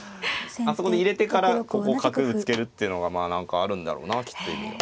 あそこに入れてからここ角ぶつけるっていうのがまあ何かあるんだろうなきっと意味が。